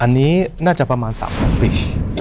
อันนี้น่าจะประมาณ๓๐๐ปี